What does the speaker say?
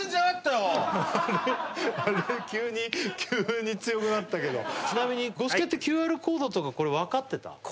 あれ急に急に強くなったけどちなみにゴスケってＱＲコードとかこれ分かってた？